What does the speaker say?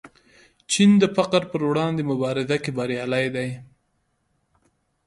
چین د فقر پر وړاندې مبارزه کې بریالی دی.